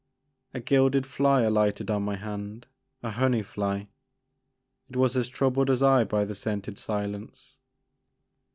A gilded fly alighted on my hand, — a honey fly. It was as troubled as I by the scented silence.